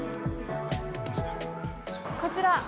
◆こちら。